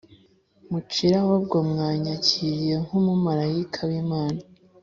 mucire ahubwo mwanyakiriye nk umumarayikai w Imana